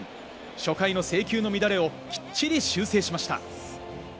初回の制球の乱れをきっちり修正しました。